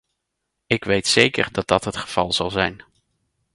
Ik weet zeker dat dat het geval zal zijn.